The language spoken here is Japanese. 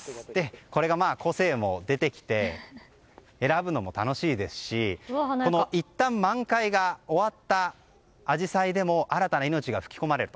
これが個性も出てきて選ぶのも楽しいですしいったん満開が終わったアジサイでも新たな命が吹き込まれる。